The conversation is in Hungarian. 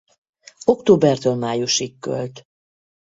Októbertől májusig költ.